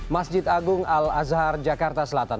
masjid agung al azhar jakarta selatan